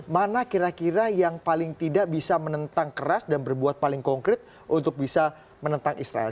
mana kira kira yang paling tidak bisa menentang keras dan berbuat paling konkret untuk bisa menentang israel